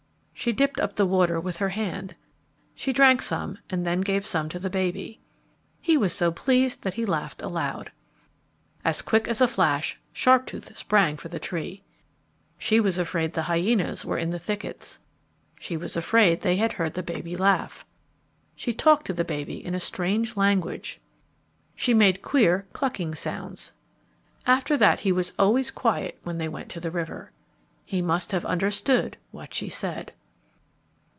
She dipped up the water with her hand. She drank some, and then gave some to the baby. He was so pleased that he laughed aloud. As quick as a flash, Sharptooth sprang for the tree. She was afraid the hyenas were in the thickets. She was afraid they had heard the baby laugh. She talked to the baby in a strange language. She made queer clucking sounds. After that he was always quiet when they went to the river. He must have understood what she said.